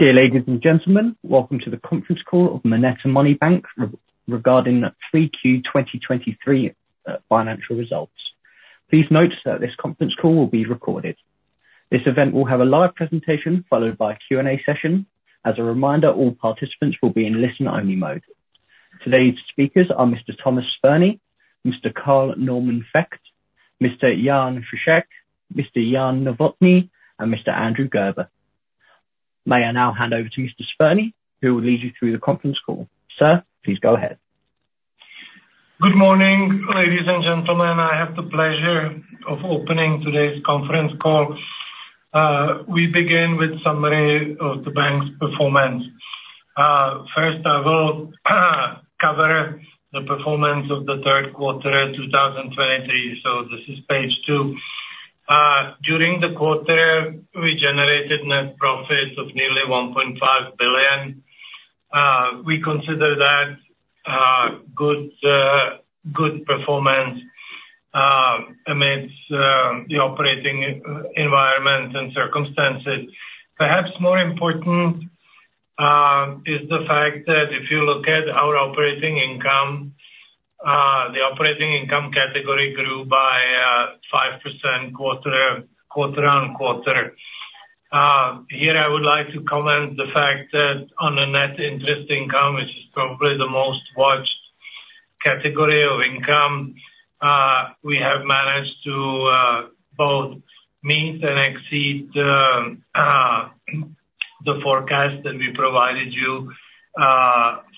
Dear ladies and gentlemen, welcome to the conference call of MONETA Money Bank regarding the 3Q 2023 financial results. Please note that this conference call will be recorded. This event will have a live presentation, followed by a Q&A session. As a reminder, all participants will be in listen-only mode. Today's speakers are Mr. Tomáš Spurný, Mr. Carl Normann Vökt, Mr. Jan Friček, Mr. Jan Novotný, and Mr. Andrew Gerber. May I now hand over to Mr. Spurný, who will lead you through the conference call. Sir, please go ahead. Good morning, ladies and gentlemen. I have the pleasure of opening today's conference call. We begin with summary of the bank's performance. First, I will cover the performance of the third quarter 2023, so this is page two. During the quarter, we generated net profits of nearly 1.5 billion. We consider that good performance amidst the operating environment and circumstances. Perhaps more important is the fact that if you look at our operating income, the operating income category grew by 5% quarter-on-quarter. Here I would like to comment the fact that on a net interest income, which is probably the most watched category of income, we have managed to both meet and exceed the forecast that we provided you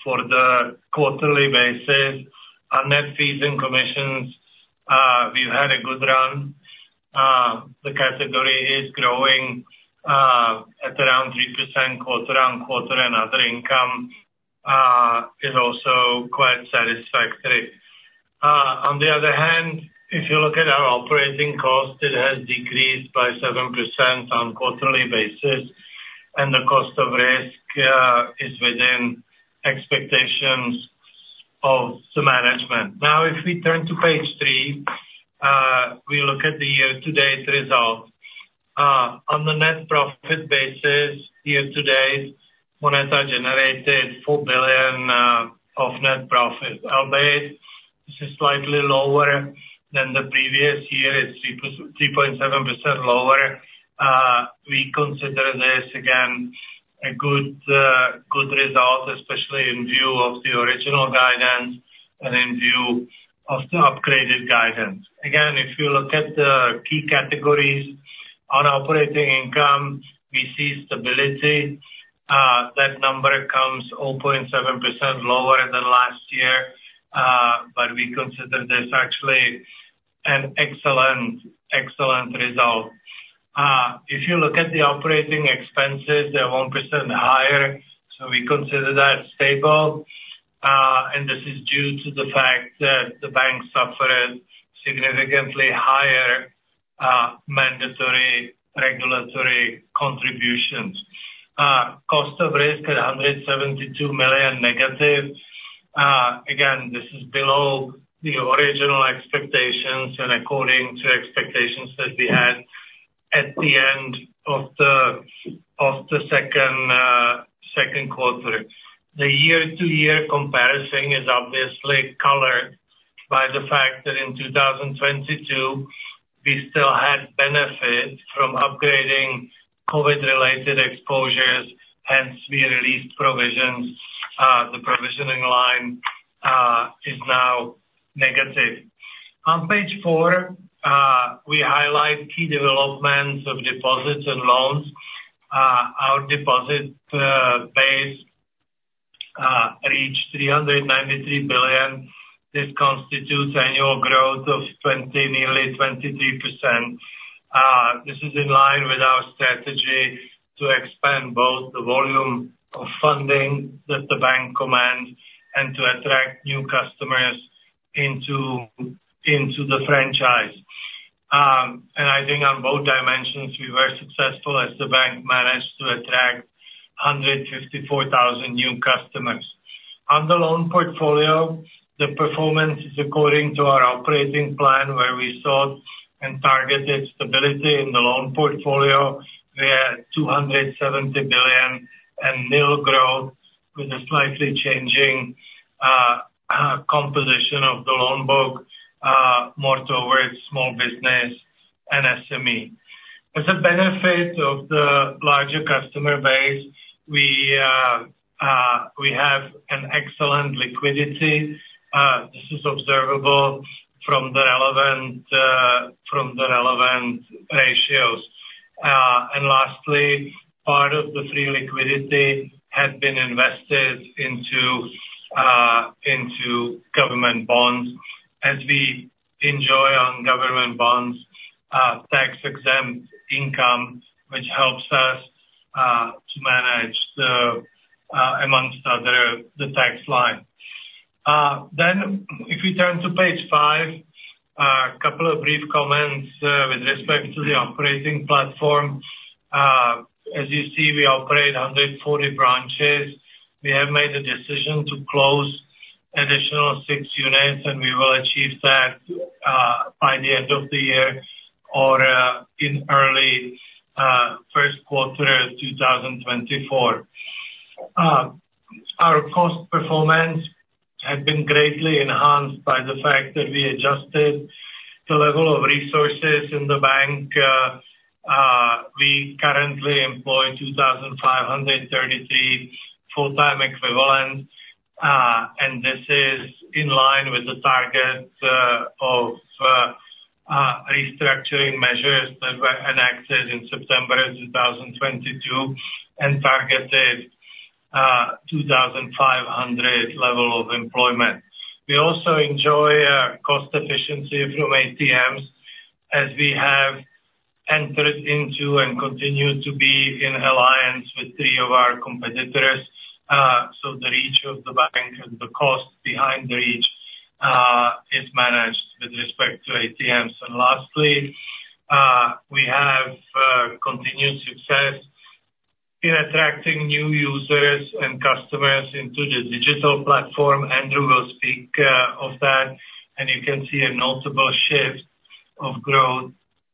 for the quarterly basis. On net fees and commissions, we've had a good run. The category is growing at around 3% quarter-on-quarter, and other income is also quite satisfactory. On the other hand, if you look at our operating cost, it has decreased by 7% on quarterly basis, and the cost of risk is within expectations of the management. Now, if we turn to page three, we look at the year-to-date results. On the net profit basis, year-to-date, MONETA generated 4 billion of net profit. Albeit, this is slightly lower than the previous year. It's 3.7% lower. We consider this, again, a good result, especially in view of the original guidance and in view of the upgraded guidance. Again, if you look at the key categories on operating income, we see stability. That number comes 0.7% lower than last year, but we consider this actually an excellent, excellent result. If you look at the operating expenses, they're 1% higher, so we consider that stable, and this is due to the fact that the bank suffered significantly higher mandatory regulatory contributions. Cost of risk at -172 million. Again, this is below the original expectations and according to expectations that we had at the end of the second quarter. The year-to-year comparison is obviously colored by the fact that in 2022, we still had benefit from upgrading COVID-related exposures, hence we released provisions. The provisioning line is now negative. On page four, we highlight key developments of deposits and loans. Our deposit base reached 393 billion. This constitutes annual growth of nearly 23%. This is in line with our strategy to expand both the volume of funding that the bank commands and to attract new customers into the franchise. I think on both dimensions, we were successful as the bank managed to attract 154,000 new customers. On the loan portfolio, the performance is according to our operating plan, where we sought and targeted stability in the loan portfolio. We're at 270 billion and nil growth with a slightly changing composition of the loan book, more towards small business and SME. As a benefit of the larger customer base, we have an excellent liquidity. This is observable from the relevant ratios. And lastly, part of the free liquidity has been invested into government bonds. As we enjoy on government bonds, tax-exempt income, which helps us to manage the, amongst other, the tax line. Then if we turn to page five, a couple of brief comments with respect to the operating platform. As you see, we operate 140 branches. We have made a decision to close additional six units, and we will achieve that by the end of the year or, in early, first quarter 2024. Our cost performance has been greatly enhanced by the fact that we adjusted the level of resources in the bank, we currently employ 2,533 full-time equivalents, and this is in line with the target of restructuring measures that were enacted in September of 2022, and targeted 2,500 level of employment. We also enjoy cost efficiency from ATMs, as we have entered into and continue to be in alliance with three of our competitors. So the reach of the bank and the cost behind the reach is managed with respect to ATMs. And lastly, we have continued success in attracting new users and customers into the digital platform. Andrew will speak of that, and you can see a notable shift of growth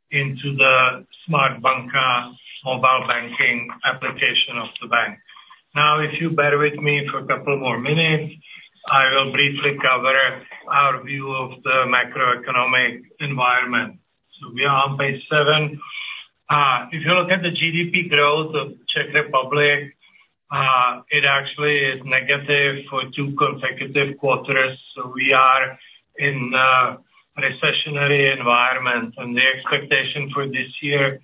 into the Smart Banka mobile banking application of the bank. Now, if you bear with me for a couple more minutes, I will briefly cover our view of the macroeconomic environment. So we are on page seven. If you look at the GDP growth of Czech Republic, it actually is negative for two consecutive quarters, so we are in a recessionary environment, and the expectation for this year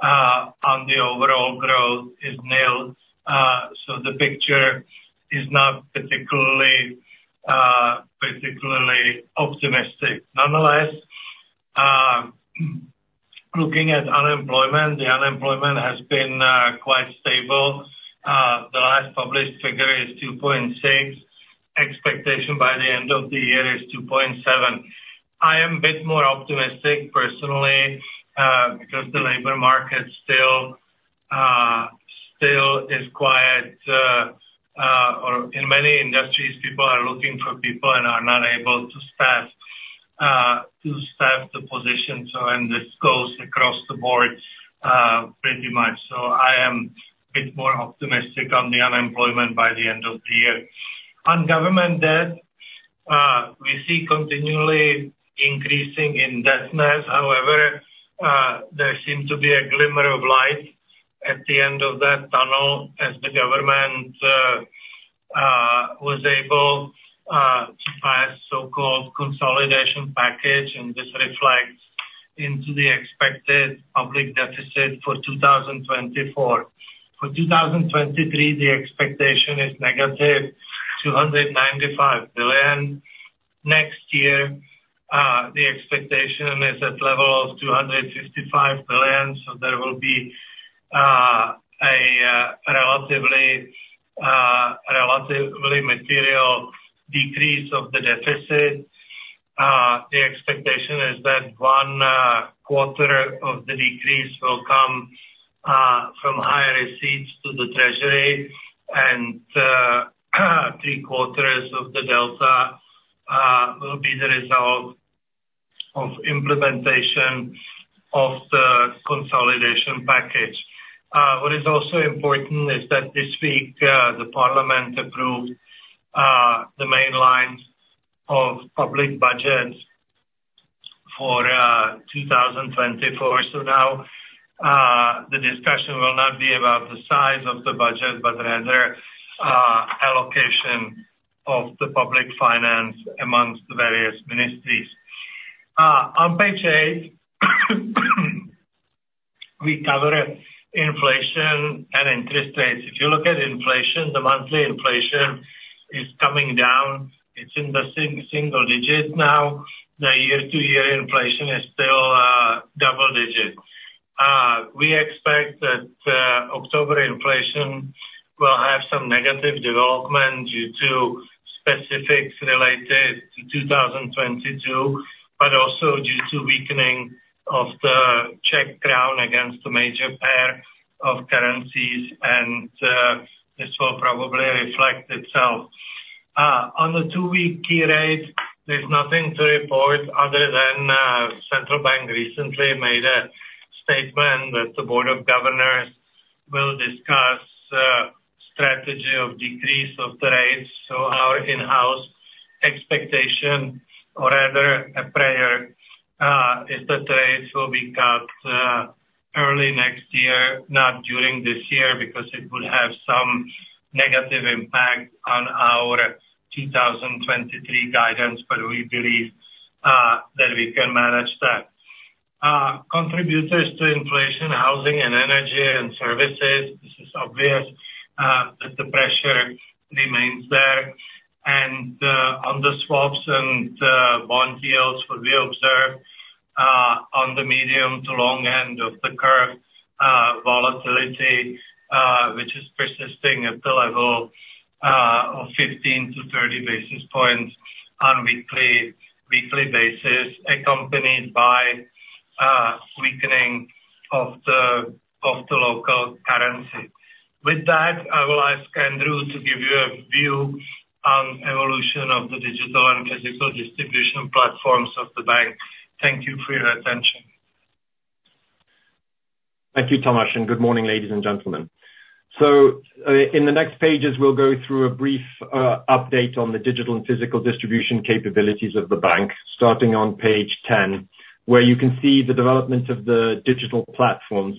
on the overall growth is nil. So the picture is not particularly optimistic. Nonetheless, looking at unemployment, the unemployment has been quite stable. The last published figure is 2.6. Expectation by the end of the year is 2.7. I am a bit more optimistic personally, because the labor market still is quite, or in many industries, people are looking for people and are not able to staff the positions, so, and this goes across the board, pretty much. So I am a bit more optimistic on the unemployment by the end of the year. On government debt, we see continually increasing indebtedness. However, there seems to be a glimmer of light at the end of that tunnel as the government was able to pass so-called consolidation package, and this reflects into the expected public deficit for 2024. For 2023, the expectation is --295 billion. Next year, the expectation is at level of 255 billion, so there will be a relatively material decrease of the deficit. The expectation is that one quarter of the decrease will come from higher receipts to the treasury, and three quarters of the delta will be the result of implementation of the consolidation package. What is also important is that this week, the parliament approved the main lines of public budget for 2024. So now, the discussion will not be about the size of the budget, but rather allocation of the public finance amongst various ministries. On page eight, we cover inflation and interest rates. If you look at inflation, the monthly inflation is coming down. It's in the single digits now. The year-to-year inflation is still double-digits. We expect that October inflation will have some negative development due to specifics related to 2022, but also due to weakening of the Czech crown against the major pair of currencies, and this will probably reflect itself. On the two-week key rate, there's nothing to report other than Central Bank recently made a statement that the Board of Governors will discuss strategy of decrease of the rates. So our in-house expectation, or rather a prayer, is that the rates will be cut early next year, not during this year, because it would have some negative impact on our 2023 guidance, but we believe that we can manage that. Contributors to inflation, housing and energy and services, this is obvious that the pressure remains there. On the swaps and bond yields, what we observe on the medium to long end of the curve, volatility, which is persisting at the level of 15-30 basis points on weekly basis, accompanied by weakening of the, with that, I will ask Andrew to give you a view on evolution of the digital and physical distribution platforms of the bank. Thank you for your attention. Thank you, Tomáš, and good morning, ladies and gentlemen. In the next pages, we'll go through a brief update on the digital and physical distribution capabilities of the bank, starting on page 10, where you can see the development of the digital platforms.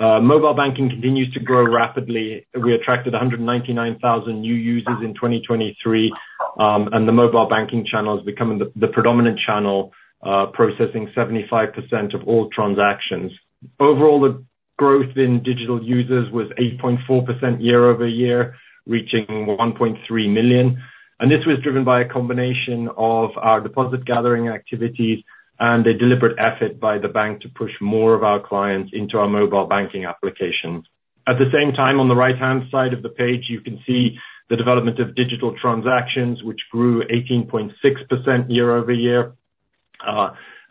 Mobile banking continues to grow rapidly. We attracted 199,000 new users in 2023, and the mobile banking channel is becoming the, the predominant channel, processing 75% of all transactions. Overall, the growth in digital users was 8.4% year-over-year, reaching 1.3 million, and this was driven by a combination of our deposit gathering activities, and a deliberate effort by the bank to push more of our clients into our mobile banking applications. At the same time, on the right-hand side of the page, you can see the development of digital transactions, which grew 18.6% year-over-year.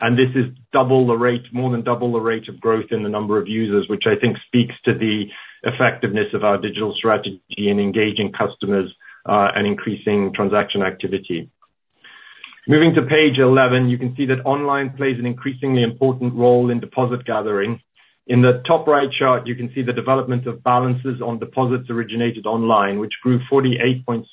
And this is double the rate, more than double the rate of growth in the number of users, which I think speaks to the effectiveness of our digital strategy in engaging customers, and increasing transaction activity. Moving to page 11, you can see that online plays an increasingly important role in deposit gathering. In the top right chart, you can see the development of balances on deposits originated online, which grew 48.6%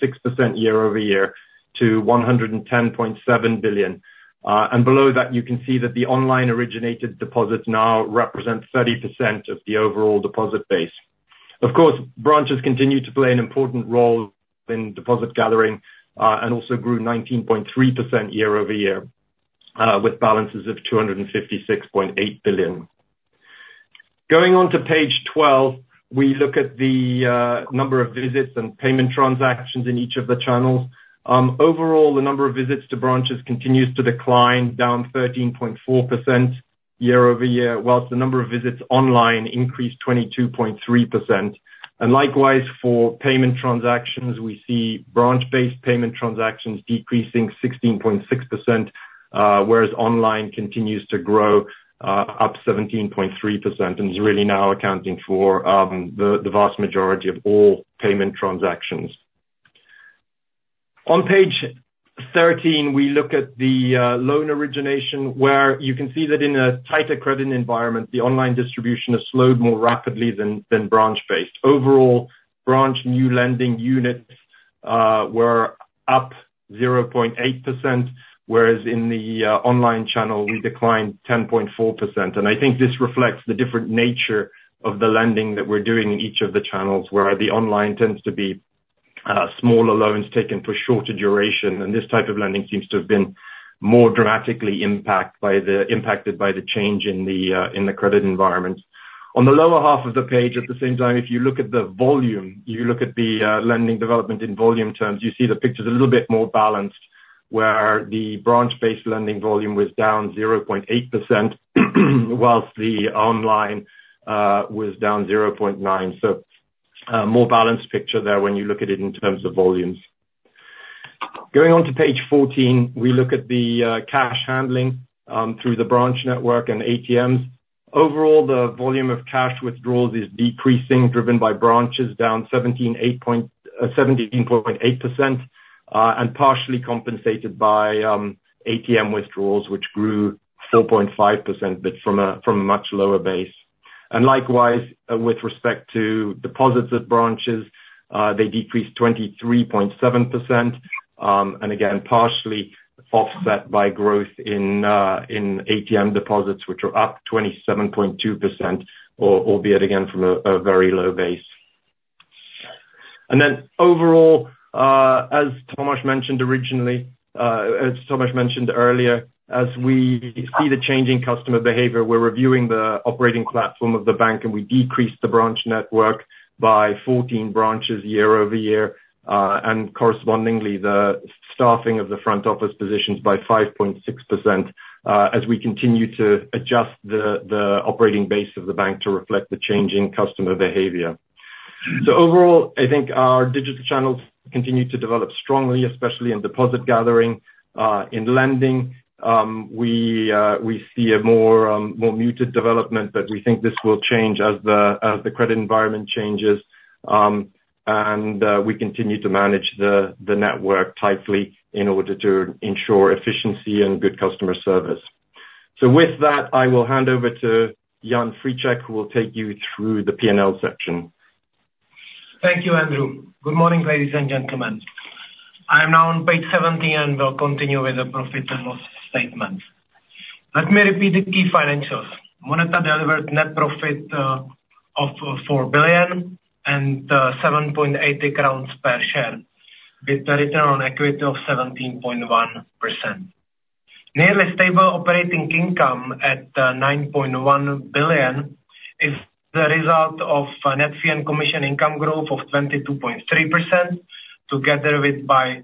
year-over-year to 110.7 billion. And below that, you can see that the online-originated deposits now represent 30% of the overall deposit base. Of course, branches continue to play an important role in deposit gathering, and also grew 19.3% year-over-year, with balances of 256.8 billion. Going on to page 12, we look at the number of visits and payment transactions in each of the channels. Overall, the number of visits to branches continues to decline, down 13.4% year-over-year, while the number of visits online increased 22.3%. And likewise, for payment transactions, we see branch-based payment transactions decreasing 16.6%, whereas online continues to grow, up 17.3%, and is really now accounting for the vast majority of all payment transactions. On page 13, we look at the loan origination, where you can see that in a tighter credit environment, the online distribution has slowed more rapidly than branch-based. Overall, branch new lending units were up 0.8%, whereas in the online channel, we declined 10.4%. And I think this reflects the different nature of the lending that we're doing in each of the channels, where the online tends to be smaller loans taken for shorter duration, and this type of lending seems to have been more dramatically impacted by the change in the credit environment. On the lower half of the page, at the same time, if you look at the volume, you look at the lending development in volume terms, you see the picture's a little bit more balanced, where the branch-based lending volume was down 0.8%, while the online was down 0.9%. So, a more balanced picture there when you look at it in terms of volumes. Going on to page 14, we look at the cash handling through the branch network and ATMs. Overall, the volume of cash withdrawals is decreasing, driven by branches down 17.8%, and partially compensated by ATM withdrawals, which grew 4.5%, but from a much lower base. Likewise, with respect to deposits at branches, they decreased 23.7%, and again, partially offset by growth in ATM deposits, which are up 27.2%, albeit again, from a very low base. And then overall, as Tomáš mentioned originally, as Tomáš mentioned earlier, as we see the change in customer behavior, we're reviewing the operating platform of the bank, and we decreased the branch network by 14 branches year-over-year, and correspondingly, the staffing of the front office positions by 5.6%, as we continue to adjust the operating base of the bank to reflect the change in customer behavior. So overall, I think our digital channels continue to develop strongly, especially in deposit gathering. In lending, we see a more muted development, but we think this will change as the credit environment changes. We continue to manage the network tightly in order to ensure efficiency and good customer service. So with that, I will hand over to Jan Friček, who will take you through the P&L section. Thank you, Andrew. Good morning, ladies and gentlemen. I am now on page 17, and will continue with the profit and loss statement. Let me repeat the key financials. MONETA delivered net profit of 4 billion, and 7.8 crowns per share, with the return on equity of 17.1%. Nearly stable operating income at 9.1 billion is the result of a net fee and commission income growth of 22.3%, together with by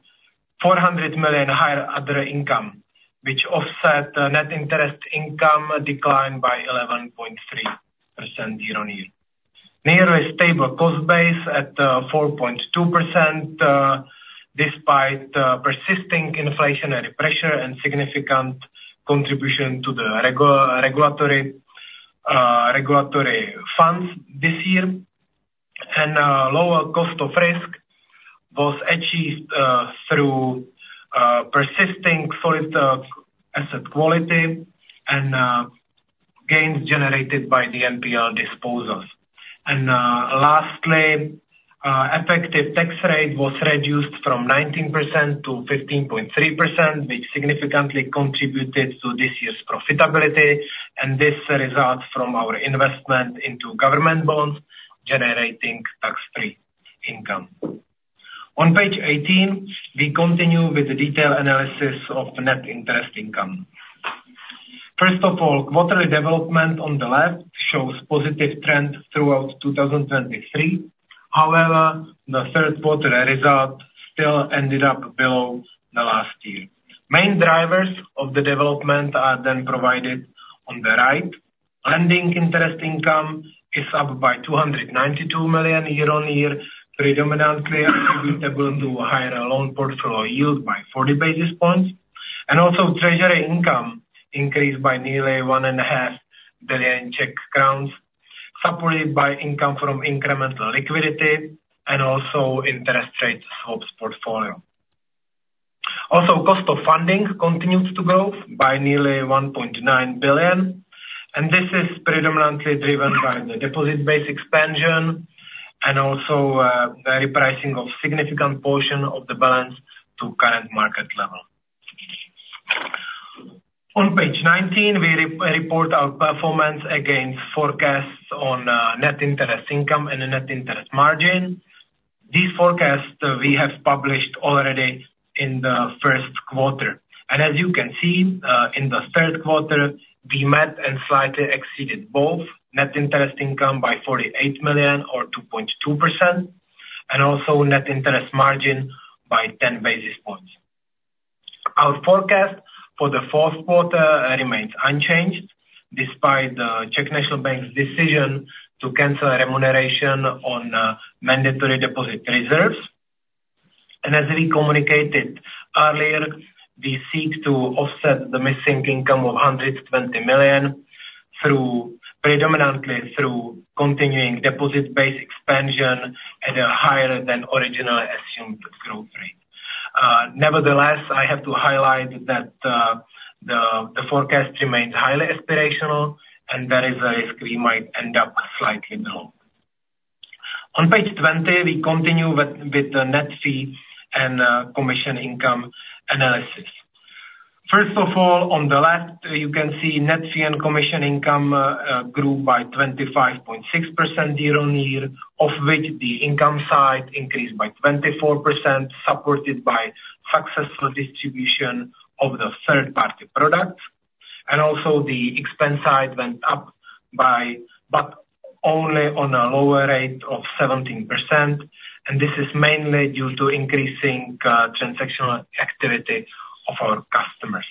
400 million higher other income, which offset the net interest income decline by 11.3% year-on-year. Nearly stable cost base at 4.2%. Despite persisting inflationary pressure and significant contribution to the regulatory funds this year, and lower cost of risk was achieved through persisting solid asset quality and gains generated by the NPL disposals. And lastly, effective tax rate was reduced from 19%-15.3%, which significantly contributed to this year's profitability, and this results from our investment into government bonds, generating tax-free income. On page 18, we continue with the detailed analysis of the net interest income. First of all, quarterly development on the left shows positive trend throughout 2023. However, the third quarter result still ended up below the last year. Main drivers of the development are then provided on the right. Lending interest income is up by 292 million year-on-year, predominantly attributable to higher loan portfolio yield by 40 basis points, and also treasury income increased by nearly 1.5 billion Czech crowns, supported by income from incremental liquidity and also interest rate swaps portfolio. Also, cost of funding continues to grow by nearly 1.9 billion, and this is predominantly driven by the deposit base expansion, and also, the repricing of significant portion of the balance to current market level. On page 19, we report our performance against forecasts on, net interest income and the net interest margin. These forecasts we have published already in the first quarter. As you can see, in the third quarter, we met and slightly exceeded both net interest income by 48 million or 2.2%, and also net interest margin by 10 basis points. Our forecast for the fourth quarter remains unchanged despite the Czech National Bank's decision to cancel remuneration on mandatory deposit reserves. As we communicated earlier, we seek to offset the missing income of 120 million through predominantly through continuing deposit base expansion at a higher than originally assumed growth rate. Nevertheless, I have to highlight that the forecast remains highly aspirational, and there is a risk we might end up slightly below. On page 20, we continue with the net fee and commission income analysis. First of all, on the left, you can see net fee and commission income grew by 25.6% year-on-year, of which the income side increased by 24%, supported by successful distribution of the third party product. Also the expense side went up by but only on a lower rate of 17%, and this is mainly due to increasing transactional activity of our customers.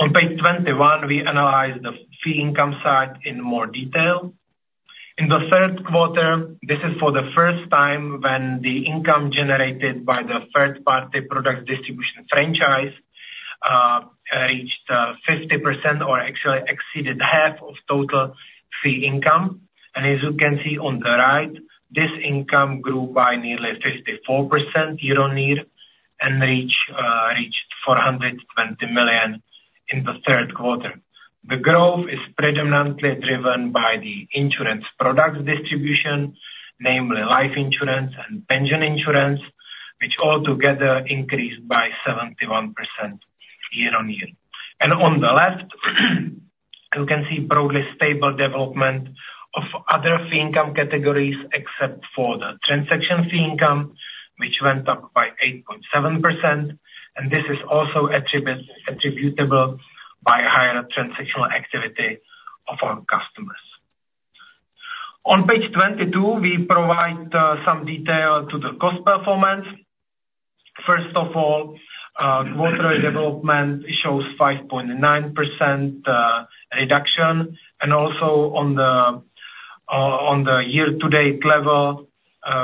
On page 21, we analyze the fee income side in more detail. In the third quarter, this is for the first time when the income generated by the third party product distribution franchise reached 50% or actually exceeded half of total fee income. As you can see on the right, this income grew by nearly 54% year-on-year and reached 420 million in the third quarter. The growth is predominantly driven by the insurance product distribution, namely Life insurance and Pension insurance, which all together increased by 71% year-on-year. And on the left, you can see broadly stable development of other fee income categories, except for the transaction fee income, which went up by 8.7%, and this is also attributable by higher transactional activity of our customers. On page 22, we provide some detail to the cost performance. First of all, quarterly development shows 5.9% reduction, and also on the year-to-date level,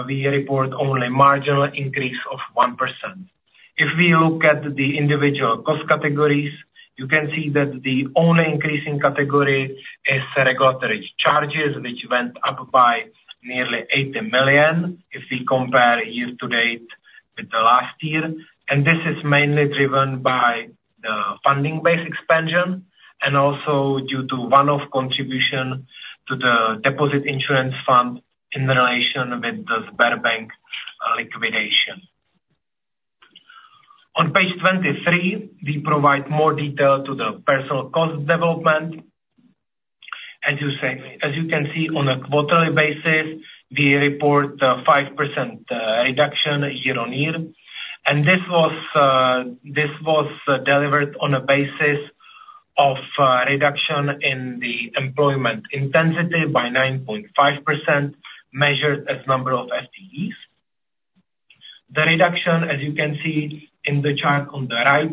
we report only marginal increase of 1%. If we look at the individual cost categories, you can see that the only increasing category is regulatory charges, which went up by nearly 80 million, if we compare year-to-date with the last year. This is mainly driven by the funding base expansion, and also due to one-off contribution to the Deposit Insurance Fund in relation with the Sberbank liquidation. On page 23, we provide more detail to the personnel cost development. As you say, as you can see, on a quarterly basis, we report a 5% reduction year-on-year, and this was delivered on a basis of reduction in the employment intensity by 9.5%, measured as number of FTEs. The reduction, as you can see in the chart on the right,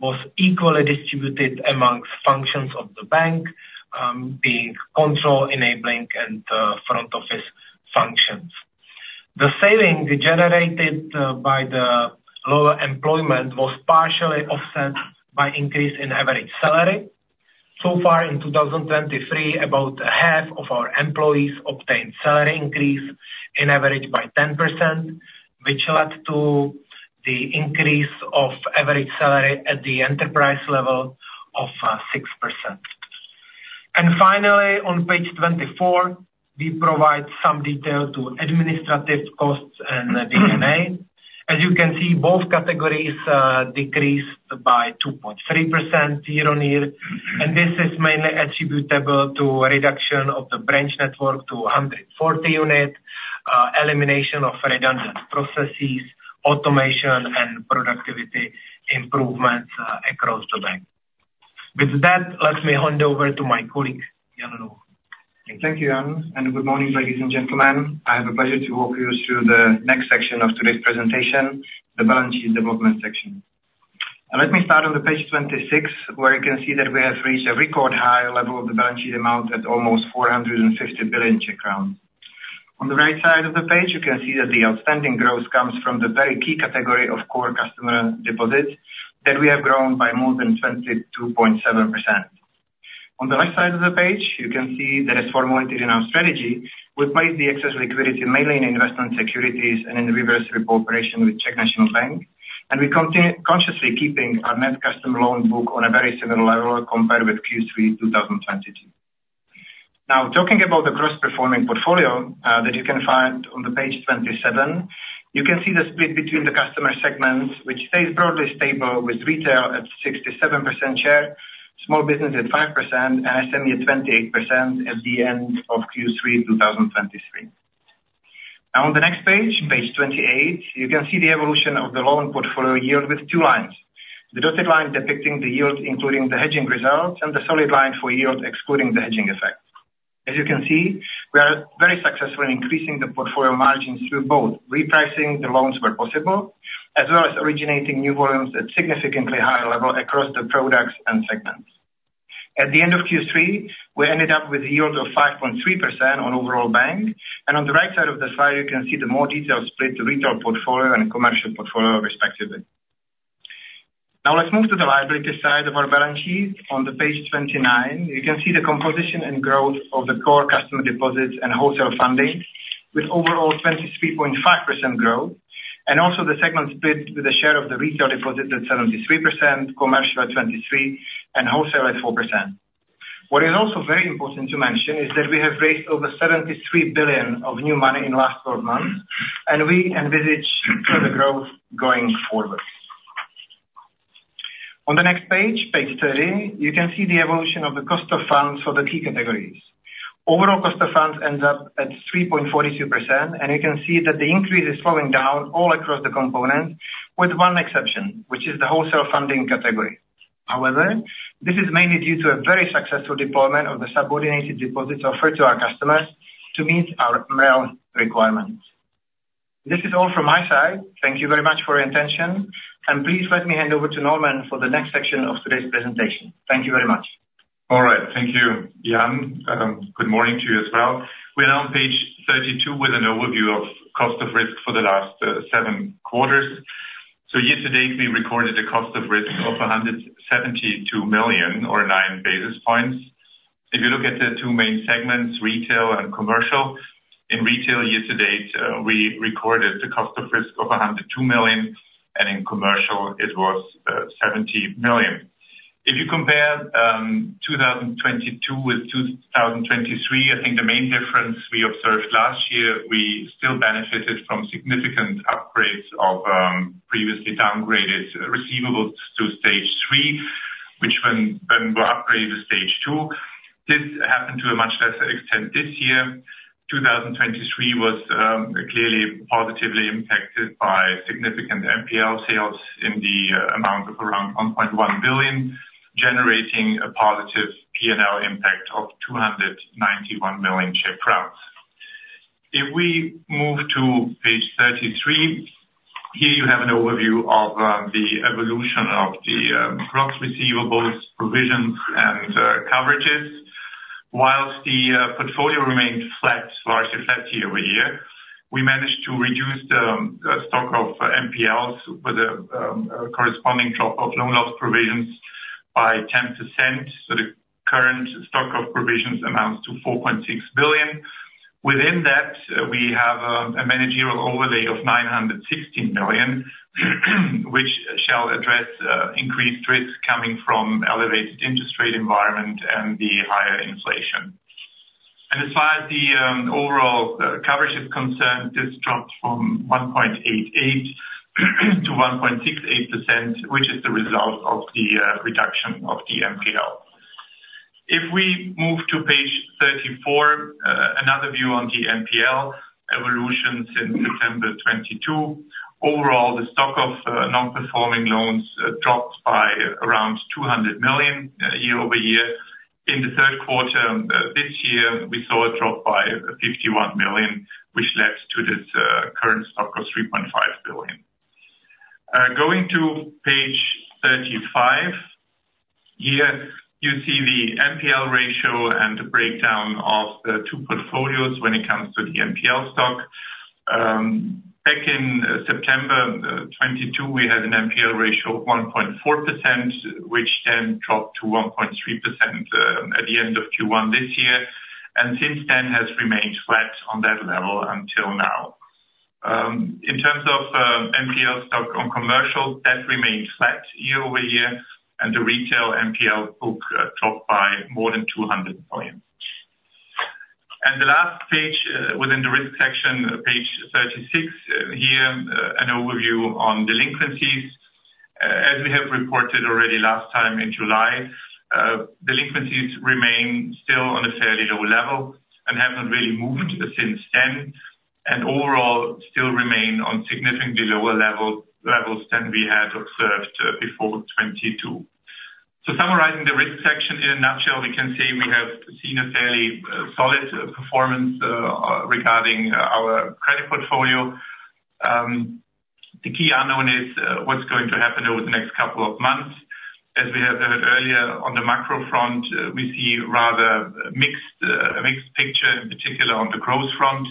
was equally distributed amongst functions of the bank. The control enabling and front office functions. The saving generated by the lower employment was partially offset by increase in average salary. So far in 2023, about half of our employees obtained salary increase in average by 10%, which led to the increase of average salary at the enterprise level of 6%. Finally, on page 24, we provide some detail to administrative costs and D&A. As you can see, both categories decreased by 2.3% year-on-year, and this is mainly attributable to reduction of the branch network to a 140 unit, elimination of redundant processes, automation and productivity improvements across the bank. With that, let me hand over to my colleague, Jan Novotný. Thank you, Jan, and good morning, ladies and gentlemen. I have a pleasure to walk you through the next section of today's presentation, the balance sheet development section. Let me start on the page 26, where you can see that we have reached a record high level of the balance sheet amount at almost 450 billion Czech crowns. On the right side of the page, you can see that the outstanding growth comes from the very key category of core customer deposits, that we have grown by more than 22.7%. On the left side of the page, you can see that as formulated in our strategy, we place the excess liquidity mainly in investment securities and in reverse repo operation with Czech National Bank, and we continue consciously keeping our net customer loan book on a very similar level compared with Q3 2022. Now, talking about the gross performing portfolio, that you can find on page 27, you can see the split between the customer segments, which stays broadly stable with retail at 67% share, small business at 5%, and SME at 28% at the end of Q3 2023. Now, on the next page, page 28, you can see the evolution of the loan portfolio yield with two lines. The dotted line depicting the yield, including the hedging results, and the solid line for yield, excluding the hedging effect. As you can see, we are very successful in increasing the portfolio margins through both repricing the loans where possible, as well as originating new volumes at significantly higher level across the products and segments. At the end of Q3, we ended up with yield of 5.3% on overall bank, and on the right side of the slide, you can see the more detailed split, the retail portfolio and commercial portfolio, respectively. Now, let's move to the liability side of our balance sheet. On the page 29, you can see the composition and growth of the core customer deposits and wholesale funding, with overall 23.5% growth, and also the segment split with a share of the retail deposit at 73%, commercial at 23%, and wholesale at 4%. What is also very important to mention is that we have raised over 73 billion of new money in last four months, and we envisage further growth going forward. On the next page, page 30, you can see the evolution of the cost of funds for the key categories. Overall cost of funds ends up at 3.42%, and you can see that the increase is slowing down all across the component, with one exception, which is the wholesale funding category. However, this is mainly due to a very successful deployment of the subordinated deposits offered to our customers to meet our MREL requirements. This is all from my side. Thank you very much for your attention, and please let me hand over to Carl Normann Vökt for the next section of today's presentation. Thank you very much. All right. Thank you, Jan. Good morning to you as well. We're now on page 32 with an overview of cost of risk for the last seven quarters. Year to date, we recorded a cost of risk of 172 million or 9 basis points. If you look at the two main segments, retail and commercial, in retail year to date, we recorded the cost of risk of 102 million, and in commercial it was 70 million. If you compare 2022 with 2023, I think the main difference we observed last year, we still benefited from significant upgrades of previously downgraded receivables to stage three, which when were upgraded to stage two. This happened to a much lesser extent this year. 2023 was clearly positively impacted by significant NPL sales in the amount of around 1.1 billion, generating a positive P&L impact of 291 million Czech crowns. If we move to page 33, here you have an overview of the evolution of the gross receivables, provisions and coverages. While the portfolio remained flat largely year-over-year, we managed to reduce the stock of NPLs with a corresponding drop of loan loss provisions by 10%. So the current stock of provisions amounts to 4.6 billion. Within that, we have a managerial overlay of 960 million, which shall address increased risks coming from elevated interest rate environment and the higher inflation. As far as the overall coverage is concerned, this dropped from 1.88%-1.68%, which is the result of the reduction of the NPL. If we move to page 34, another view on the NPL evolution since December 2022. Overall, the stock of non-performing loans dropped by around 200 million year-over-year. In the third quarter this year, we saw a drop by 51 million, which led to this current stock of 3.5 billion. Going to page 35, here you see the NPL ratio and the breakdown of the two portfolios when it comes to the NPL stock. Back in September 2022, we had an NPL ratio of 1.4%, which then dropped to 1.3%, at the end of Q1 this year, and since then has remained flat on that level until now. In terms of NPL stock on commercial, that remained flat year-over-year, and the retail NPL book dropped by more than 200 billion. And the last page within the risk section, page 36, here an overview on delinquencies. As we have reported already last time in July, delinquencies remain still on a fairly low level and haven't really moved since then, and overall still remain on significantly lower levels than we had observed before 2022. So summarizing the risk section in a nutshell, we can say we have seen a fairly solid performance regarding our credit portfolio. The key unknown is what's going to happen over the next couple of months. As we have heard earlier, on the macro front, we see rather mixed a mixed picture, in particular on the growth front.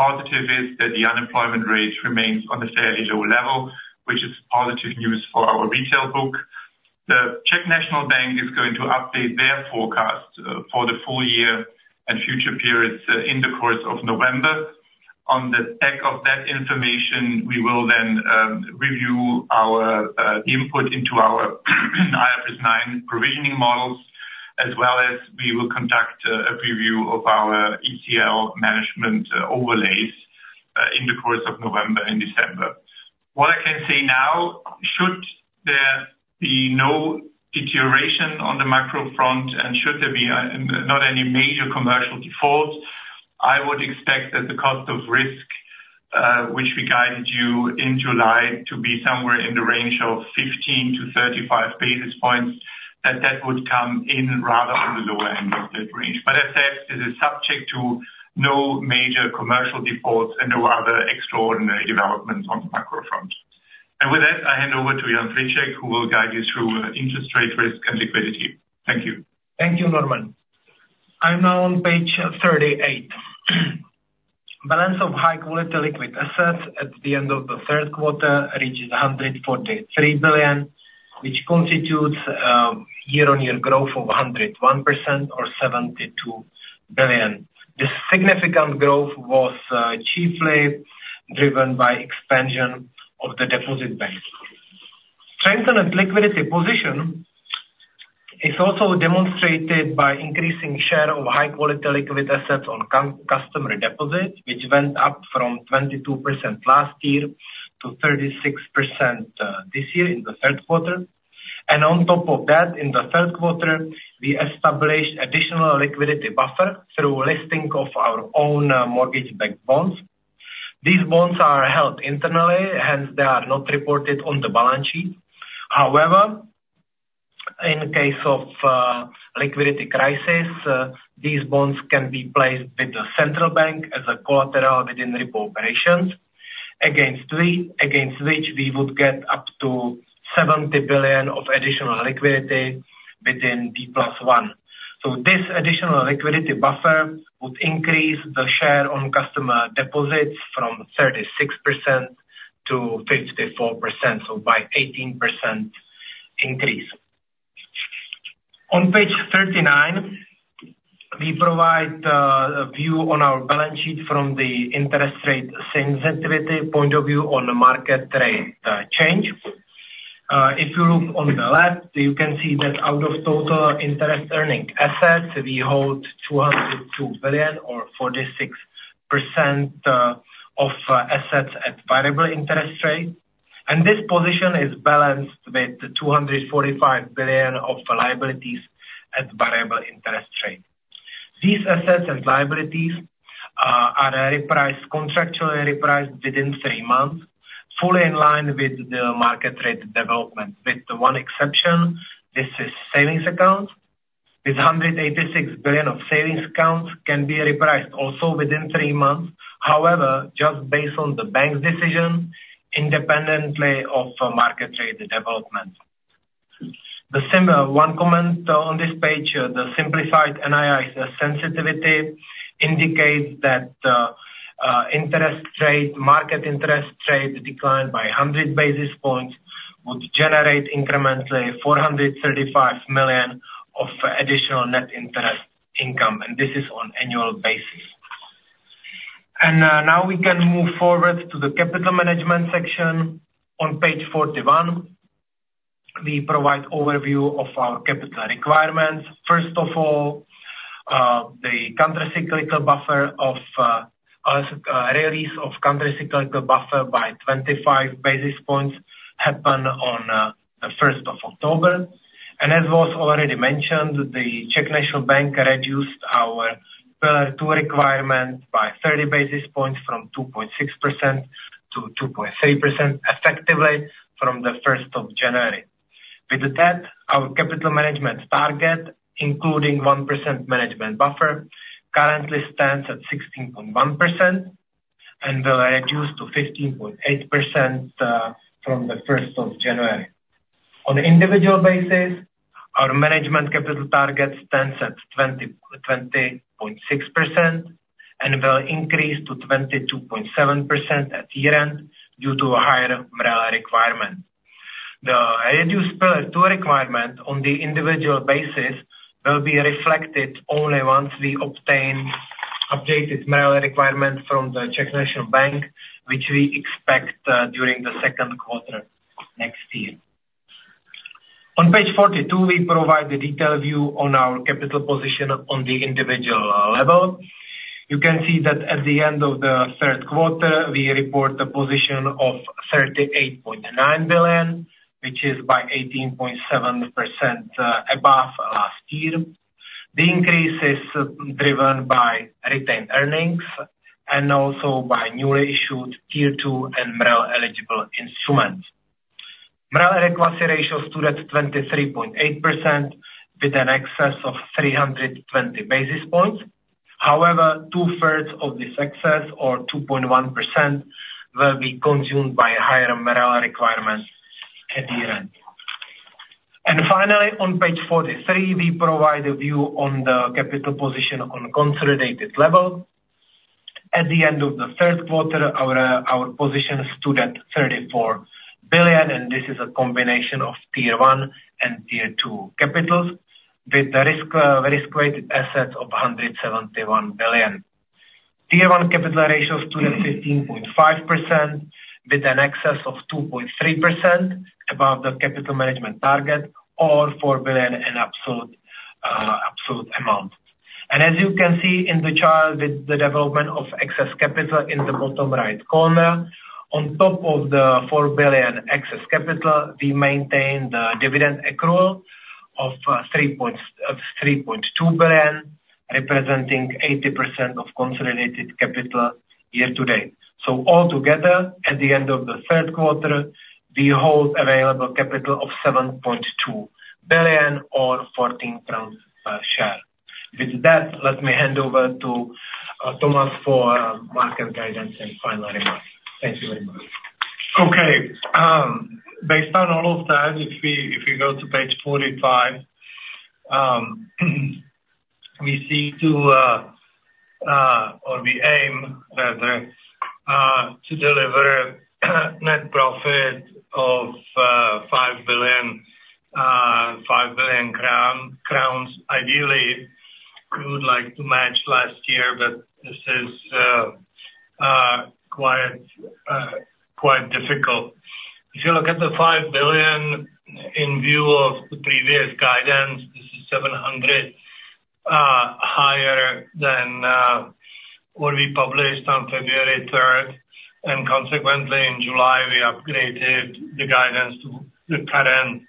Positive is that the unemployment rate remains on a fairly low level, which is positive news for our retail book. The Czech National Bank is going to update their forecast for the full year and future periods in the course of November. On the back of that information, we will then review our input into our IFRS 9 provisioning models, as well as we will conduct a review of our ECL management overlays in the course of November and December. What I can say now, should there be no deterioration on the macro front and should there be, not any major commercial defaults, I would expect that the cost of risk, which we guided you in July, to be somewhere in the range of 15-35 basis points, that that would come in rather on the lower end of that range. But as said, it is subject to no major commercial defaults and no other extraordinary developments on the macro front. And with that, I hand over to Jan Friček, who will guide you through interest rate risk and liquidity. Thank you. Thank you, Normann. I'm now on page 38. Balance of high quality liquid assets at the end of the third quarter reached 143 billion, which constitutes year-on-year growth of 101% or 72 billion. This significant growth was chiefly driven by expansion of the deposit bank. Strengthened liquidity position is also demonstrated by increasing share of high quality liquid assets on customer deposits, which went up from 22% last year to 36% this year in the third quarter. And on top of that, in the third quarter, we established additional liquidity buffer through listing of our own mortgage-backed bonds. These bonds are held internally, hence they are not reported on the balance sheet. However, in case of liquidity crisis, these bonds can be placed with the central bank as a collateral within repo operations. Against which we would get up to 70 billion of additional liquidity within D+1. So this additional liquidity buffer would increase the share on customer deposits from 36%-54%, so by 18% increase. On page 39, we provide a view on our balance sheet from the interest rate sensitivity point of view on the market trade change. If you look on the left, you can see that out of total interest earning assets, we hold 202 billion or 46% of assets at variable interest rate. And this position is balanced with 245 billion of liabilities at variable interest rate. These assets and liabilities are repriced, contractually repriced within three months, fully in line with the market rate development, with one exception, this is savings accounts. 186 billion of savings accounts can be repriced also within three months. However, just based on the bank's decision, independently of market rate development. The similar, one comment on this page, the simplified NII sensitivity indicates that, interest rate, market interest rate declined by 100 basis points, would generate incrementally 435 million of additional net interest income, and this is on annual basis. Now we can move forward to the capital management section. On page 41, we provide overview of our capital requirements. First of all, the countercyclical buffer of release of countercyclical buffer by 25 basis points happened on the first of October. As was already mentioned, the Czech National Bank reduced our Pillar 2 requirement by 30 basis points from 2.6%-2.3%, effectively from January 1. With that, our capital management target, including 1% management buffer, currently stands at 16.1%, and will reduce to 15.8% from January 1. On individual basis, our management capital target stands at 20, 20.6%, and will increase to 22.7% at year-end, due to a higher MREL requirement. The reduced Pillar 2 requirement on the individual basis will be reflected only once we obtain updated MREL requirements from the Czech National Bank, which we expect during the second quarter next year. On page 42, we provide the detailed view on our capital position on the individual level. You can see that at the end of the third quarter, we report a position of 38.9 billion, which is by 18.7% above last year. The increase is driven by retained earnings, and also by newly issued Tier 2 and MREL eligible instruments. MREL regulatory ratio stood at 23.8%, with an excess of 320 basis points. However, two-thirds of this excess, or 2.1%, will be consumed by higher MREL requirements at the end. Finally, on page 43, we provide a view on the capital position on consolidated level. At the end of the third quarter, our position stood at 34 billion, and this is a combination of Tier 1 and Tier 2 capitals, with the risk risk-weighted assets of 171 billion. Tier 1 capital ratio stood at 15.5%, with an excess of 2.3% above the capital management target, or 4 billion in absolute amount. As you can see in the chart, with the development of excess capital in the bottom right corner, on top of the 4 billion excess capital, we maintain the dividend accrual of three point two billion, representing 80% of consolidated capital year-to-date. So all together, at the end of the third quarter, we hold available capital of 7.2 billion or CZK 14 per share. With that, let me hand over to Tomáš for market guidance and final remarks. Thank you very much. Okay. Based on all of that, if we go to page 45, we seek to, or we aim rather, to deliver net profit of 5 billion crowns. Ideally, we would like to match last year, but this is quite difficult. If you look at the 5 billion in view of the previous guidance, this is 700 higher than what we published on February third, and consequently, in July, we upgraded the guidance to the current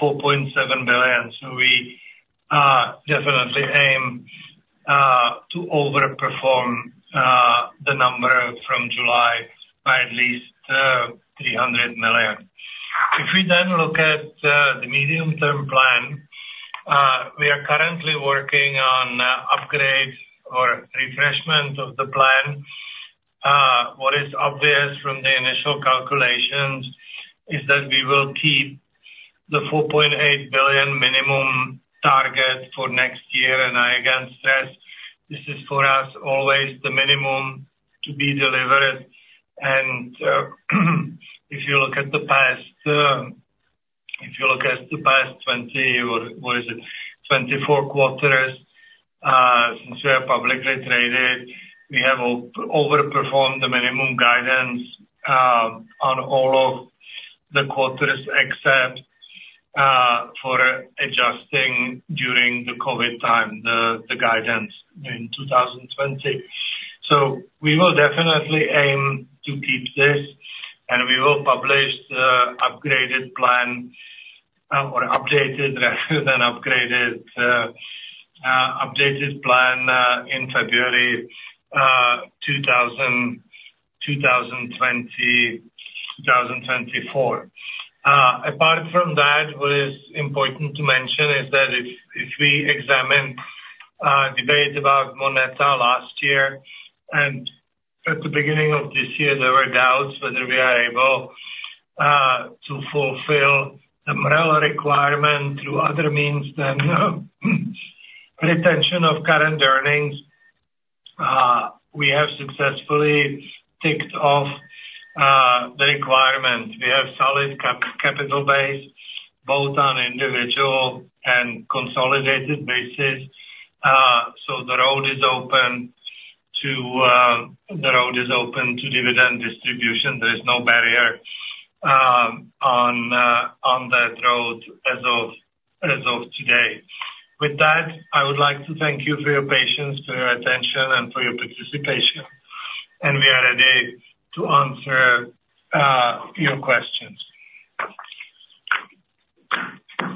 4.7 billion. So we definitely aim to overperform the number from July by at least 300 million. If we then look at the medium-term plan, we are currently working on upgrades or refreshment of the plan. What is obvious from the initial calculations is that we will keep the 4.8 billion minimum target for next year. And I again stress, this is for us, always the minimum to be delivered. And, if you look at the past, if you look at the past 24 quarters, since we are publicly traded, we have overperformed the minimum guidance, on all of the quarters, except, for adjusting during the COVID time, the guidance in 2020. So we will definitely aim to keep this, and we will publish the upgraded plan, or updated rather than upgraded, updated plan, in February 2024. Apart from that, what is important to mention is that if we examine debate about MONETA last year, and at the beginning of this year, there were doubts whether we are able to fulfill the MREL requirement through other means than retention of current earnings. We have successfully ticked off the requirement. We have solid capital base, both on individual and consolidated basis. So the road is open to the road is open to dividend distribution. There is no barrier on on that road as of as of today. With that, I would like to thank you for your patience, for your attention, and for your participation. And we are ready to answer your questions.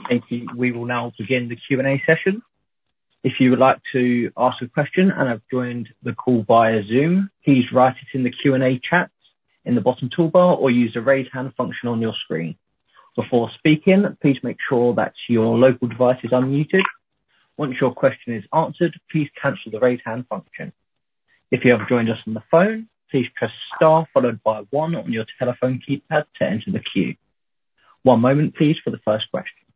Thank you. We will now begin the Q&A session. If you would like to ask a question and have joined the call via Zoom, please write it in the Q&A chat in the bottom toolbar or use the Raise Hand function on your screen. Before speaking, please make sure that your local device is unmuted. Once your question is answered, please cancel the Raise Hand function. If you have joined us on the phone, please press star followed by one on your telephone keypad to enter the queue. One moment please, for the first question.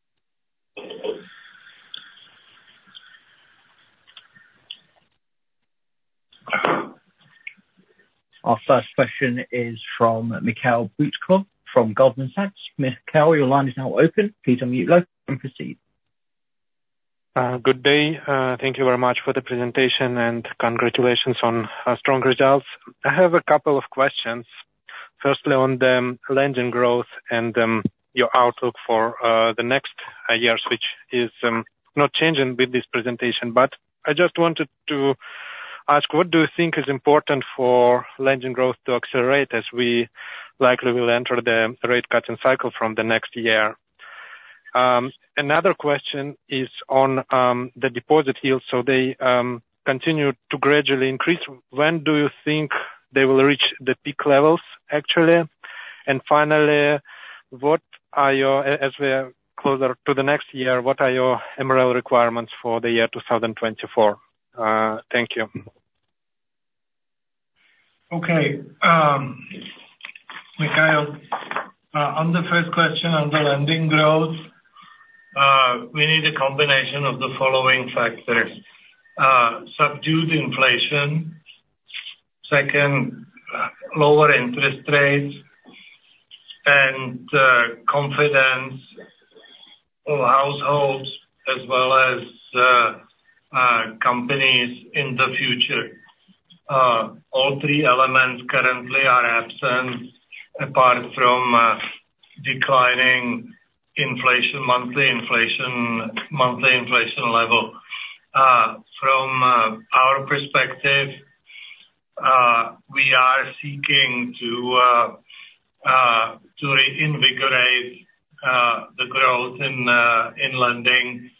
Our first question is from Mikhail Butkov from Goldman Sachs. Mikhail, your line is now open. Please unmute yourself and proceed. Good day. Thank you very much for the presentation, and congratulations on strong results. I have a couple of questions. Firstly, on the lending growth and your outlook for the next years, which is not changing with this presentation, but I just wanted to ask, what do you think is important for lending growth to accelerate, as we likely will enter the rate cutting cycle from the next year? Another question is on the deposit yield, so they continue to gradually increase. When do you think they will reach the peak levels, actually? And finally, as we are closer to the next year, what are your MREL requirements for the year 2024? Thank you. Okay. Mikhail, on the first question on the lending growth, we need a combination of the following factors: subdued inflation, second, lower interest rates, and confidence of households as well as companies in the future. All three elements currently are absent, apart from declining inflation, monthly inflation level. From our perspective, we are seeking to reinvigorate the growth in lending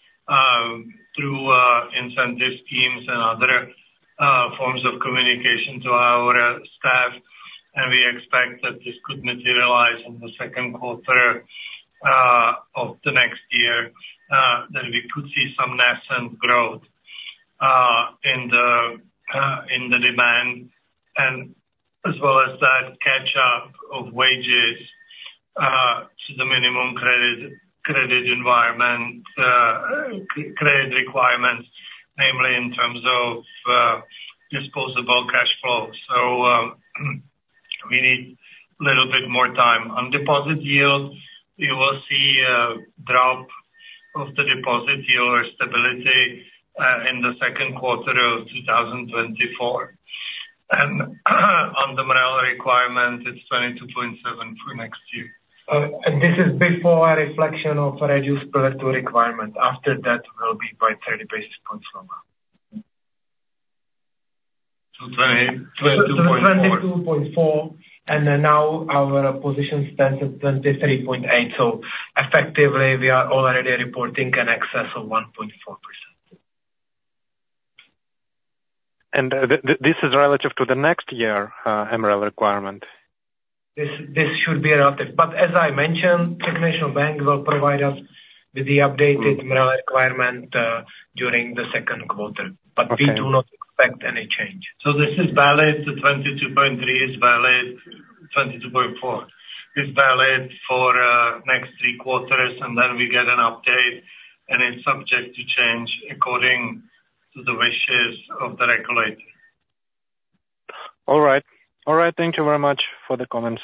through incentive schemes and other forms of communication to our staff, and we expect that this could materialize in the second quarter of the next year. Then we could see some nascent growth in the demand, and as well as that catch up of wages to the minimum credit environment, credit requirements, namely in terms of disposable cash flow. So, we need little bit more time. On deposit yield, we will see a drop of the deposit yield or stability in the second quarter of 2024. On the MREL requirement, it's 22.7 for next year. And this is before a reflection of reduced Pillar 2 requirement. After that will be by 30 basis points lower. To 22.4. To 22.4, and then now our position stands at 23.8. So effectively, we are already reporting an excess of 1.4%. This is relative to the next year, MREL requirement? This, this should be relative. But as I mentioned, Czech National Bank will provide us with the updated MREL requirement during the second quarter. Okay. We do not expect any change. So this is valid, the 22.3 is valid, 22.4 is valid for next three quarters, and then we get an update, and it's subject to change according to the wishes of the regulator. All right. All right, thank you very much for the comments.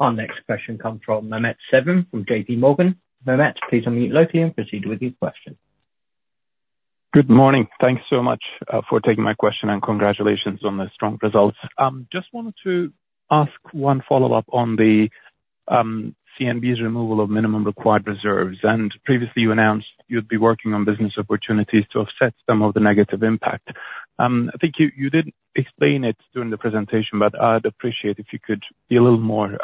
Our next question comes from Mehmet Sevim, from JP Morgan. Mehmet, please unmute yourself and proceed with your question. Good morning. Thank you so much for taking my question, and congratulations on the strong results. Just wanted to ask one follow-up on the CNB's removal of minimum required reserves. And previously you announced you'd be working on business opportunities to offset some of the negative impact. I think you did explain it during the presentation, but I'd appreciate if you could be a little more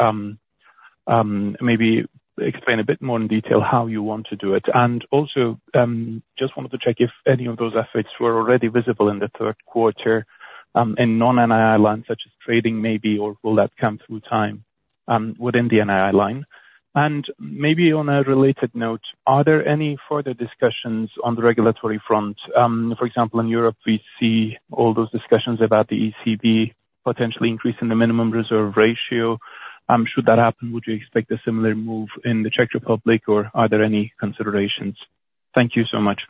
maybe explain a bit more in detail how you want to do it. And also just wanted to check if any of those efforts were already visible in the third quarter in non-NII lines, such as trading, maybe, or will that come through time within the NII line? And maybe on a related note, are there any further discussions on the regulatory front? For example, in Europe, we see all those discussions about the ECB potentially increasing the minimum reserve ratio. Should that happen, would you expect a similar move in the Czech Republic, or are there any considerations? Thank you so much.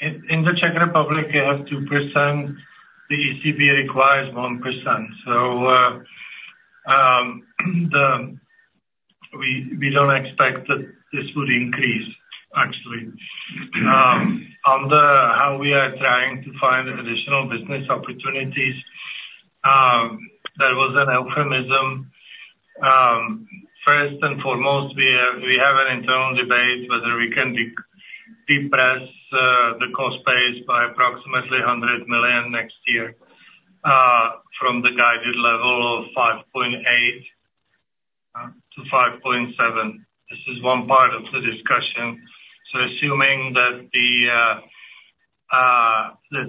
In the Czech Republic, we have 2%, the ECB requires 1%. So we don't expect that this would increase, actually. On how we are trying to find additional business opportunities, that was a euphemism. First and foremost, we have an internal debate whether we can depress the cost base by approximately 100 million next year, from the guided level of 5.8 billion to 5.7 billion. This is one part of the discussion. So assuming that the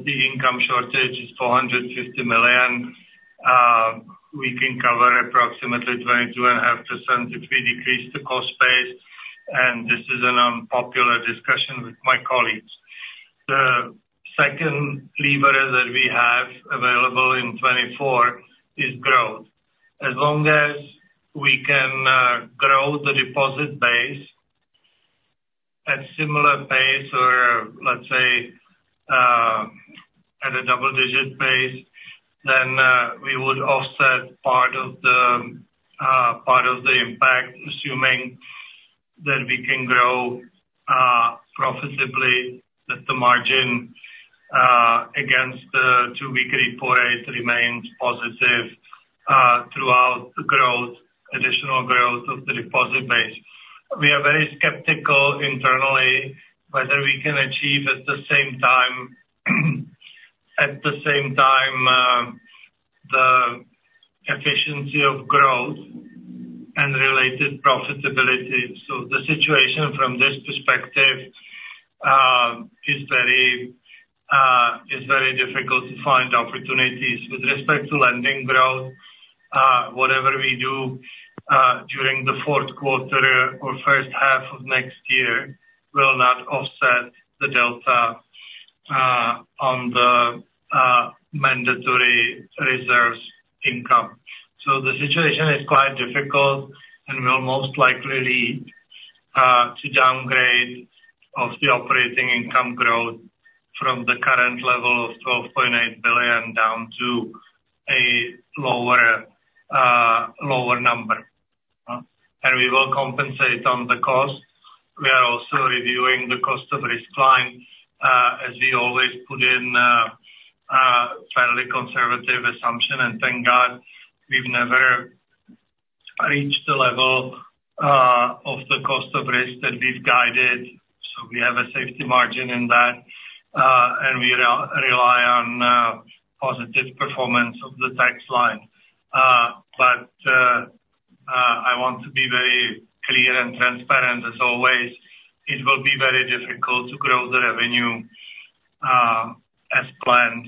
income shortage is 450 million, we can cover approximately 22.5% if we decrease the cost base, and this is an unpopular discussion with my colleagues. The second lever that we have available in 2024 is growth. As long as we can grow the deposit base at similar pace or let's say at a double digit pace, then we would offset part of the, part of the impact, assuming that we can grow profitably, that the margin against the two-week repo rate remains positive throughout the growth, additional growth of the deposit base. We are very skeptical internally whether we can achieve at the same time, at the same time, the efficiency of growth and related profitability. So the situation from this perspective is very, is very difficult to find opportunities. With respect to lending growth, whatever we do during the fourth quarter or first half of next year, will not offset the delta on the, mandatory reserves income. So the situation is quite difficult, and we'll most likely lead to downgrade of the operating income growth from the current level of 12.8 billion, down to a lower, lower number. And we will compensate on the cost. We are also reviewing the cost of risk line, as we always put in a fairly conservative assumption, and thank God, we've never reached the level of the cost of risk that we've guided, so we have a safety margin in that. And we rely on positive performance of the tax line. But I want to be very clear and transparent as always. It will be very difficult to grow the revenue, as planned,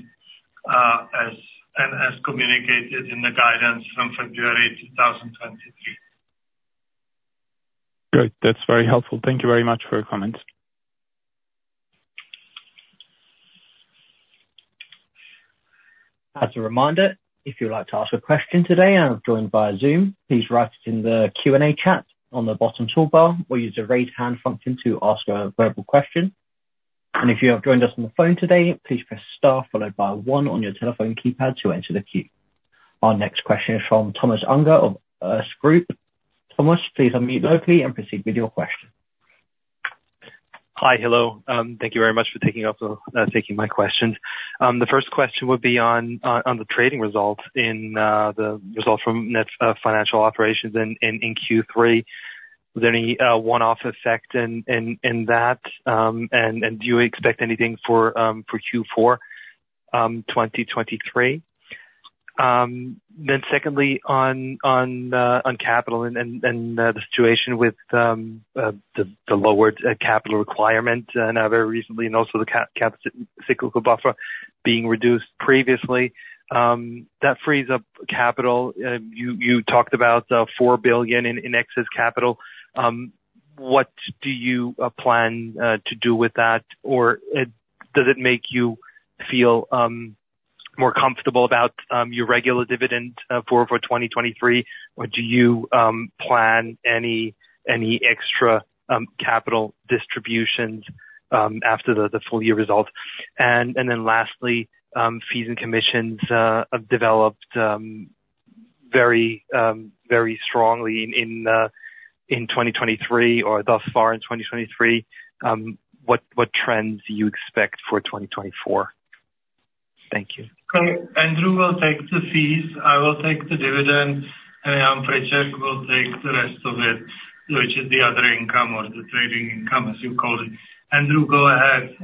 as and as communicated in the guidance from February 2023. Great! That's very helpful. Thank you very much for your comments. As a reminder, if you'd like to ask a question today and have joined via Zoom, please write it in the Q&A chat on the bottom toolbar or use the Raise Hand function to ask a verbal question. If you have joined us on the phone today, please press star followed by one on your telephone keypad to enter the queue. Our next question is from Thomas Unger of Erste Group. Thomas, please unmute locally and proceed with your question. Hi. Hello, thank you very much for taking my question. The first question would be on the trading results in the results from net financial operations in Q3. Was there any one-off effect in that? And do you expect anything for Q4 2023? Then secondly, on capital and the situation with the lower capital requirement very recently, and also the countercyclical buffer being reduced previously. That frees up capital. You talked about 4 billion in excess capital. What do you plan to do with that? Or, does it make you feel more comfortable about your regular dividend for 2023, or do you plan any extra capital distributions after the full year results? And then lastly, fees and commissions have developed very very strongly in 2023 or thus far in 2023. What trends do you expect for 2024? Thank you. Okay. Andrew will take the fees, I will take the dividend, and Jan Friček will take the rest of it, which is the other income or the trading income, as you call it. Andrew, go ahead.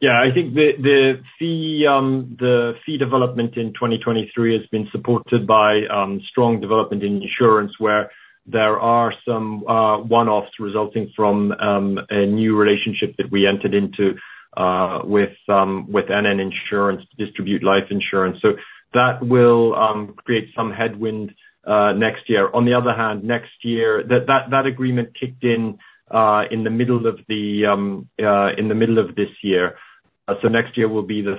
Yeah, I think the fee development in 2023 has been supported by strong development in insurance, where there are some one-offs resulting from a new relationship that we entered into with NN Insurance to distribute Life insurance. So that will create some headwind next year. On the other hand, next year, that agreement kicked in in the middle of this year. So next year will be the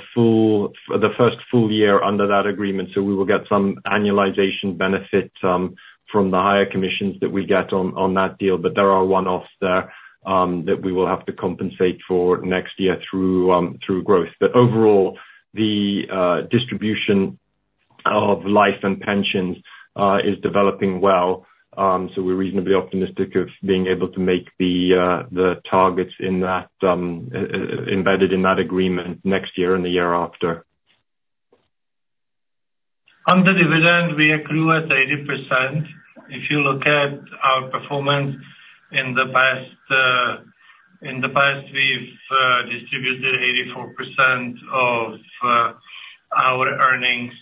first full year under that agreement, so we will get some annualization benefit from the higher commissions that we get on that deal. But there are one-offs there that we will have to compensate for next year through growth. But overall, the distribution of life and pensions is developing well. So we're reasonably optimistic of being able to make the targets in that embedded in that agreement next year and the year after. On the dividend, we accrue at 80%. If you look at our performance in the past, we've distributed 84% of our earnings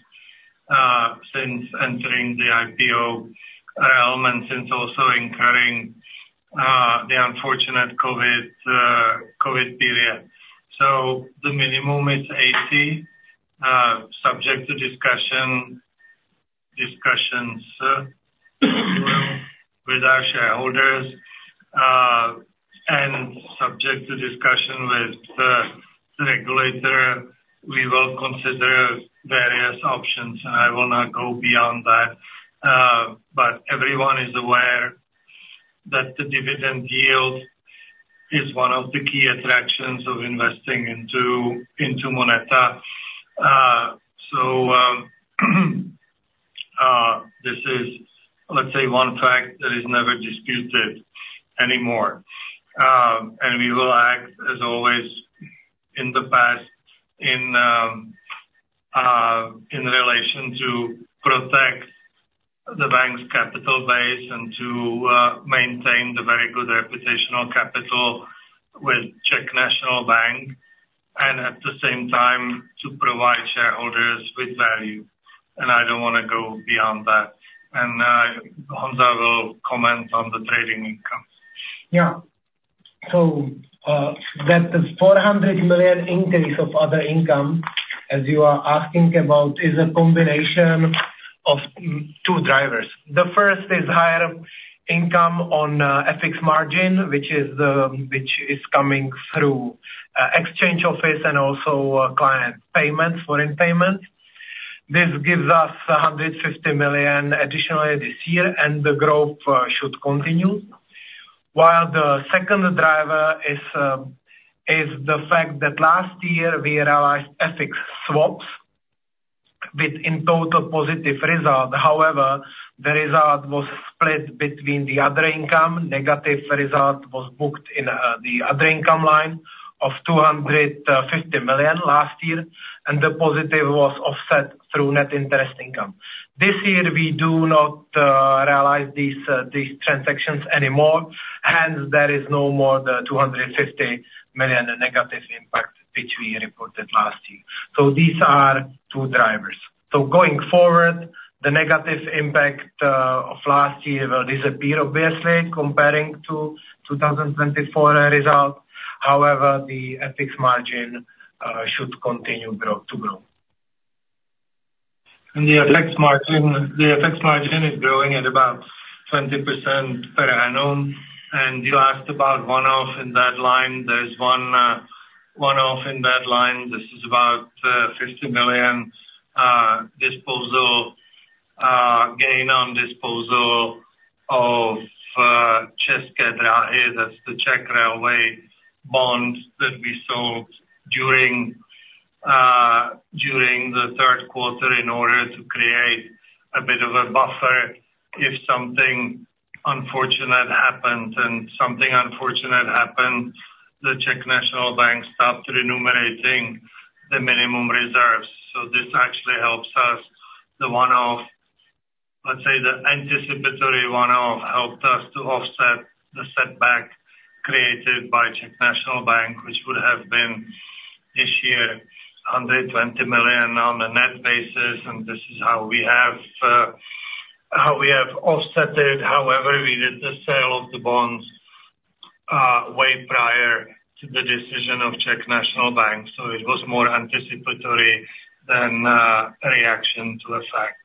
since entering the IPO element, since also incurring the unfortunate COVID period. So the minimum is 80, subject to discussion with our shareholders and subject to discussion with the regulator. We will consider various options, and I will not go beyond that. But everyone is aware that the dividend yield is one of the key attractions of investing into MONETA. So this is, let's say, one fact that is never disputed anymore. And we will act as always in the past, in relation to protect the bank's capital base and to maintain the very good reputational capital with Czech National Bank, and at the same time, to provide shareholders with value. And I don't want to go beyond that. And Honza will comment on the trading income. Yeah. So, that is 400 million increase of other income, as you are asking about, is a combination of two drivers. The first is higher income on FX margin, which is the, which is coming through exchange office and also client payments, foreign payments. This gives us 150 million additionally this year, and the growth should continue. While the second driver is the fact that last year we realized FX swaps with, in total, positive result. However, the result was split between the other income. Negative result was booked in the other income line of 250 million last year, and the positive was offset through net interest income. This year, we do not realize these transactions anymore, hence, there is no more the 250 million negative impact, which we reported last year. These are two drivers. Going forward, the negative impact of last year will disappear, obviously, comparing to 2024 result. However, the FX margin should continue grow, to grow. The FX margin, the FX margin is growing at about 20% per annum. You asked about one-off in that line. There is one one-off in that line. This is about 50 million disposal gain on disposal of České dráhy. That's the Czech railway bonds that we sold during the third quarter in order to create a bit of a buffer if something unfortunate happened. Something unfortunate happened, the Czech National Bank stopped remunerating the minimum reserves. So this actually helps us. The one-off, let's say the anticipatory one-off, helped us to offset the setback created by Czech National Bank, which would have been this year 120 million on the net basis, and this is how we have how we have offset it. However, we did the sale of the bonds way prior to the decision of Czech National Bank, so it was more anticipatory than a reaction to a fact.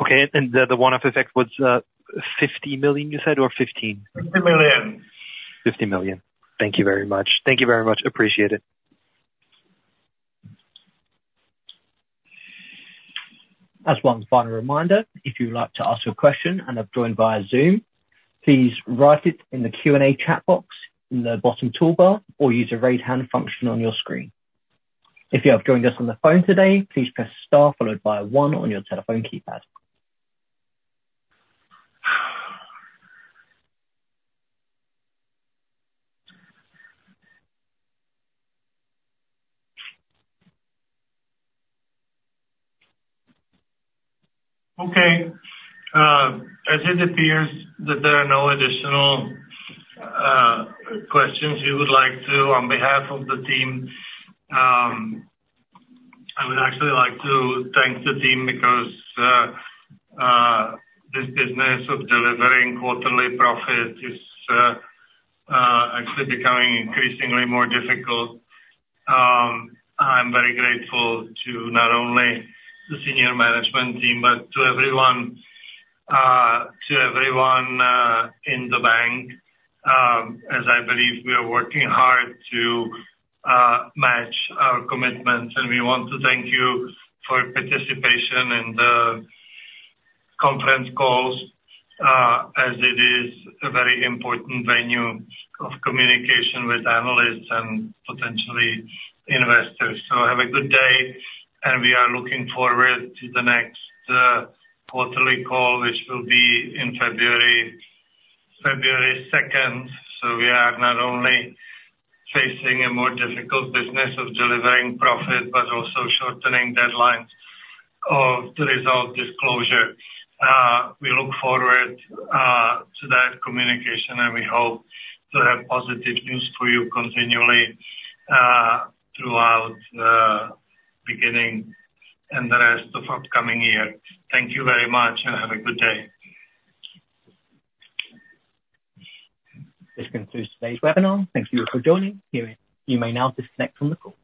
Okay, and the one-off effect was 50 million, you said, or 15 million? 50 million. 50 million. Thank you very much. Thank you very much. Appreciate it. As one final reminder, if you would like to ask a question and have joined via Zoom, please write it in the Q&A chat box in the bottom toolbar or use the raise hand function on your screen. If you have joined us on the phone today, please press star followed by one on your telephone keypad. Okay. As it appears that there are no additional questions you would like to, on behalf of the team, I would actually like to thank the team because this business of delivering quarterly profit is actually becoming increasingly more difficult. I'm very grateful to not only the senior management team, but to everyone in the bank, as I believe we are working hard to match our commitments. And we want to thank you for your participation in the conference calls, as it is a very important venue of communication with analysts and potentially investors. So have a good day, and we are looking forward to the next quarterly call, which will be in February second. We are not only facing a more difficult business of delivering profit, but also shortening deadlines of the result disclosure. We look forward to that communication, and we hope to have positive news for you continually throughout the beginning and the rest of upcoming year. Thank you very much, and have a good day. This concludes today's webinar. Thank you for joining. You may now disconnect from the call.